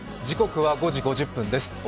時刻は５時５０分です。